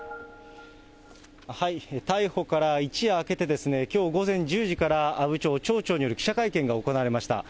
逮捕から一夜明けて、きょう午前１０時から、阿武町町長による記者会見が行われました。